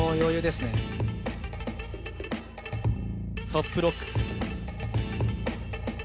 トップロック。